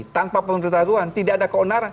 tanpa pemberitahuan tidak ada keonaran